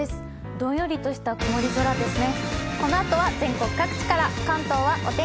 どんよりとした曇り空ですね。